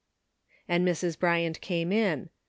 '* And Mrs. Bryant came in.